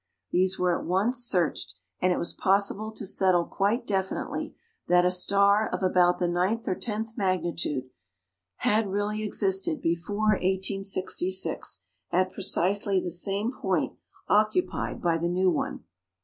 These were at once searched, and it was possible to settle quite definitely that a star of about the ninth or tenth magnitude had really existed before 1866 at precisely the same point occupied by the new one.